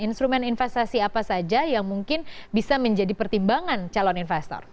instrumen investasi apa saja yang mungkin bisa menjadi pertimbangan calon investor